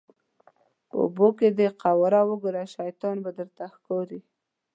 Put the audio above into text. په اوبو کې دې قواره وګوره شیطان به درته ښکاري.